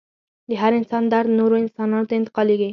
د هر انسان درد نورو انسانانو ته انتقالیږي.